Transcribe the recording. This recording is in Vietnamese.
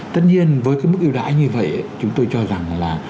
tất nhiên với cái mức ưu đãi như vậy chúng tôi cho rằng là